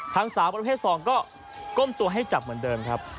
สาวประเภท๒ก็ก้มตัวให้จับเหมือนเดิมครับ